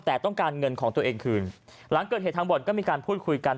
แต่ต้องการเงินของตัวเองคืนหลังเกิดเหตุทางบ่อนก็มีการพูดคุยกัน